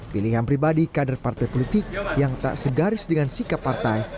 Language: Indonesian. pilihan pribadi kader partai politik yang tak segaris dengan sikap partai